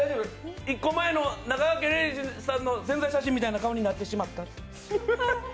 １個前の中川家・礼二さんの宣材写真みたいになってしまった。